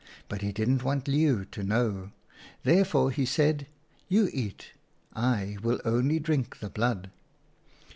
But he didn't want Leeuw to know. Therefore he said, ' You eat ; I will only drink the blood.'